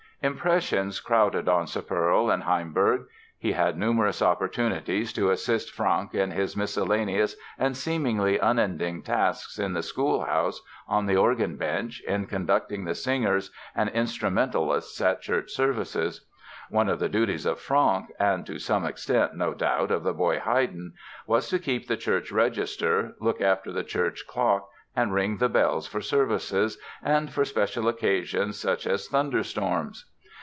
Impressions crowded on "Sepperl" in Hainburg. He had numerous opportunities to assist Franck in his miscellaneous and seemingly unending tasks in the school house, on the organ bench, in conducting the singers and instrumentalists at church services. One of the duties of Franck (and to some extent, no doubt, of the boy Haydn) was to keep the church register, look after the church clock and ring the bells for services "and for special occasions, such as thunderstorms".